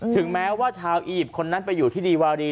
ถึงแม้ว่าชาวอียิปต์คนนั้นไปอยู่ที่ดีวารี